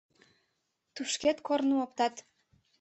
Тушкет корным оптат.